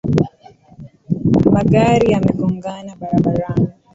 Magari yamegongana barabarani.